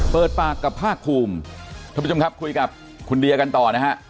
เปิดปากกับภาคภูมิท่านผู้ชมครับคุยกับคุณเดียกันต่อนะฮะ